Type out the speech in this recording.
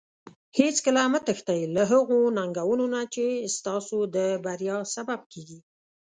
هیڅکله مه تښتي له هغو ننګونو نه چې ستاسو د بریا سبب کیږي.